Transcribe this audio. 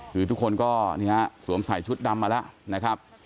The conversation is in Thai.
ทุกคนก็สวมใส่ชุดดำมาแล้ว